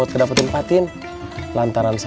ya usah bahkan